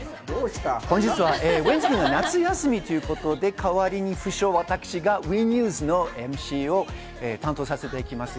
本日はウエンツ君が夏休みということで代わりに不肖・私がＷＥニュースのＭＣを担当させていただきます。